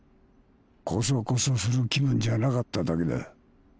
こそこそする気分じゃなかっただけだ。